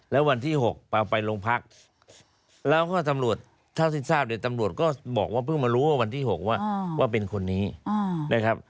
แล้ววันที่๖ไปโรงพักแล้วก็ตำรวจเท่าที่ทราบเนี่ยตำรวจก็บอกว่าเพิ่งมารู้ว่าวันที่๖ว่าว่าเป็นคนนี้นะครับ